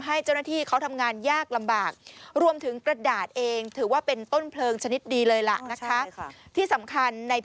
หลังคาบางส่วนมันถล่มลงมา